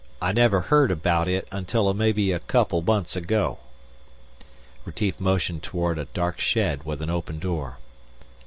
I never heard about it until maybe a couple months ago." Retief motioned toward a dark shed with an open door.